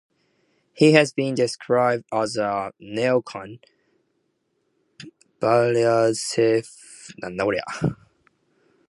He has been described as a neocon, Blair's "self-appointed apologist", and Blair's "yapping Pekingese".